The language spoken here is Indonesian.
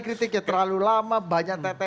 kritik ya terlalu lama banyak teteh